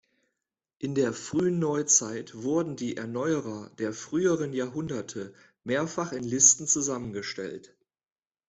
In der frühen Neuzeit wurden die Erneuerer der früheren Jahrhunderte mehrfach in Listen zusammengestellt.